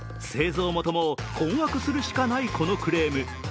製造元も困惑するしかないこのクレーム。